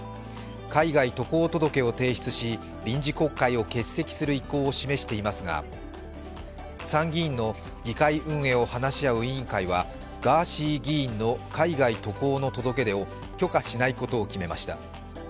海外渡航届を提出し、臨時国会を欠席する意向を示していますが参議院の議会運営を話し合う委員会はガーシー議員の海外渡航の届け出を許可しないことを決めました。